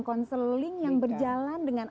konseling yang berjalan dengan